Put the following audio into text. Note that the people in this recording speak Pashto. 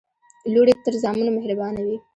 لوڼي تر زامنو مهربانه وي.